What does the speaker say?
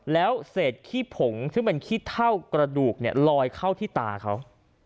แล้วเศษขี้ผงซึ่งเป็นขี้เท่ากระดูกลอยเข้าที่ตาเขา